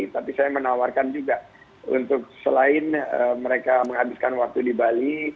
tapi saya menawarkan juga untuk selain mereka menghabiskan waktu di bali